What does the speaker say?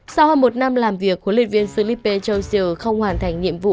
sau hơn một năm làm việc huấn luyện viên felipe châu siêu không hoàn thành nhiệm vụ